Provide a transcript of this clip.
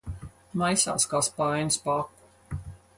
Maisās kā spainis pa aku.